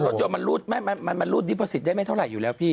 แต่รถยนต์มันรูดดิพอสิทธิ์ได้ไม่เท่าไหร่อยู่แล้วพี่